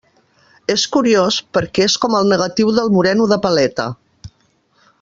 És curiós, perquè és com el negatiu del moreno de paleta.